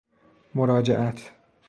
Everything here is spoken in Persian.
مراجعت